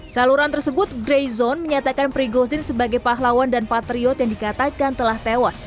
saluran tersebut grey zone menyatakan prigozhin sebagai pahlawan dan patriot yang dikatakan telah tewas